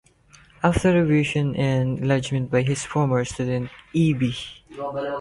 After revision and enlargement by his former student E. B.